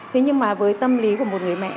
thế nhưng mà với tâm lý của một người mẹ